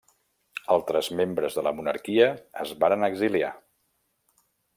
Altres membres de la monarquia es varen exiliar.